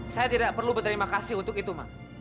saya tidak perlu berterima kasih untuk itu